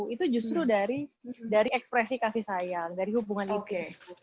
itu justru dari ekspresi kasih sayang dari hubungan itu